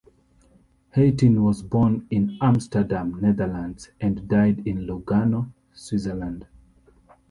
Heyting was born in Amsterdam, Netherlands, and died in Lugano, Switzerland.